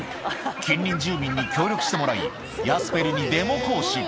近隣住民に協力してもらいヤスペルにデモ行進